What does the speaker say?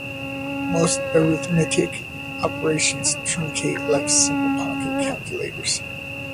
Most arithmetic operations truncate like simple pocket calculators.